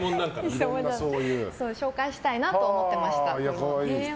紹介したいなと思っていました。